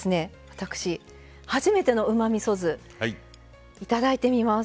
私初めてのうまみそ酢頂いてみます。